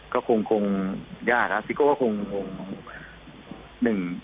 ก็คงยากซิโก้ก็คง